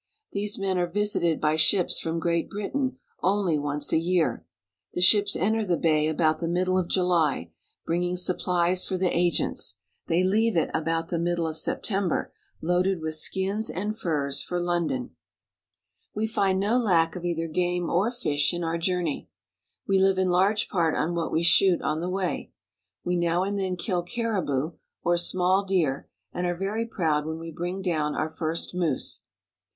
These men are visited by ships from Great Britain only once a year. The ships enter the bay about the middle of July, bringing supplies for the agents ; they leave it about the middle of September, loaded with skins and furs for London. A Moose. WILD GAME. 313 We find no lack of either game or fish in our journey. We Hve in large part on what we shoot on the way. We now and then kill caribou, or small deer, and are very proud when we bring down our first moose.